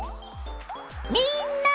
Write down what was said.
みんな！